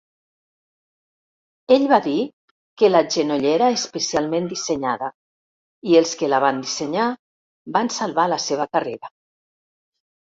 Ell va dir que la genollera especialment dissenyada i els que la van dissenyar van "salvar la seva carrera".